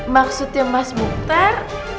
maksudnya mas mukhtar